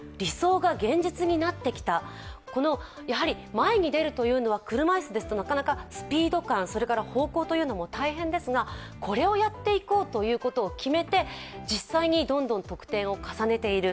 前に出るというのは車いすですとなかなかスピード感、方向も大変ですがこれをやっていこうということを決めて、実際にどんどん得点を重ねている。